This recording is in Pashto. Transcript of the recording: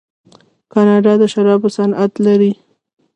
کاناډا د شرابو صنعت لري.